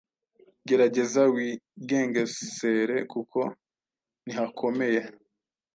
gerageza wigengesere kuko nihakomeye